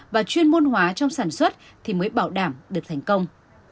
và chuyên môn hóa trong sản xuất thì mới bảo đảm được thành công